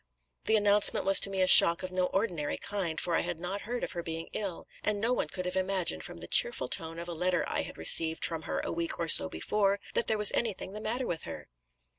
"The announcement was to me a shock of no ordinary kind, for I had not heard of her being ill, and no one could have imagined, from the cheerful tone of a letter I had received from her a week or so before, that there was anything the matter with her.